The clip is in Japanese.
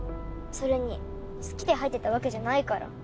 それに好きで入ってたわけじゃないから。